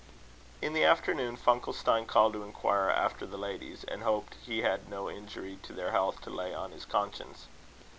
In the afternoon, Funkelstein called to inquire after the ladies; and hoped he had no injury to their health to lay on his conscience.